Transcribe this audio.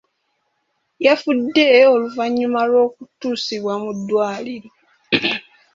Yafudde oluvannyuma lw'okutuusibwa mu ddwaliro.